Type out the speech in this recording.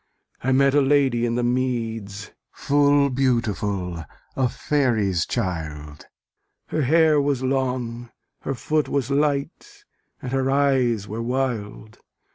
I met a lady in the meads Full beautiful, a faery's child; Her hair was long, her foot was light, And her eyes were wild.